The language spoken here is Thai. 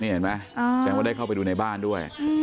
เห็นไหมแสดงว่าได้เข้าไปดูในบ้านด้วย